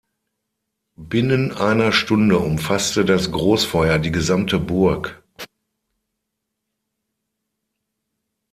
Binnen einer Stunde umfasste das Großfeuer die gesamte Burg.